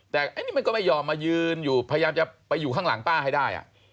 แต่อันนี้มันก็ไม่ยอมมายืนอยู่พยายามจะไปอยู่ข้างหลังป้าให้ได้